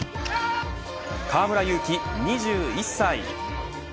河村勇輝、２１歳。